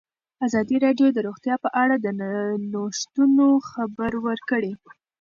ازادي راډیو د روغتیا په اړه د نوښتونو خبر ورکړی.